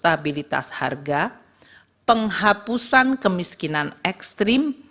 stabilitas harga penghapusan kemiskinan ekstrim